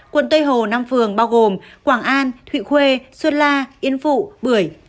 quận tây hồ năm phường bao gồm quảng an thụy khuê sơn la yên phụ bưởi